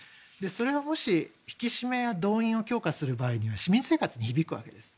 それがもし引き締めや動員を強化する場合には市民生活に響くわけです。